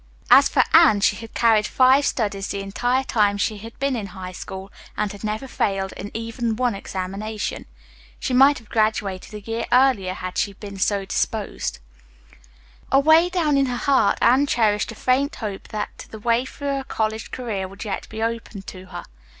As for Anne, she had carried five studies the entire time she had been in High School and had never failed in even one examination. She might have graduated a year earlier had she been so disposed. Away down in her heart Anne cherished a faint hope that the way for a college career would yet be opened to her.